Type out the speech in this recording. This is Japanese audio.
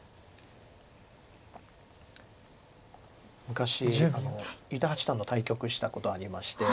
昔伊田八段と対局したことありまして。